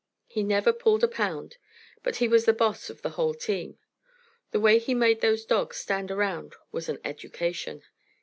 He never pulled a pound, but he was the boss of the whole team. The way he made those dogs stand around was an education.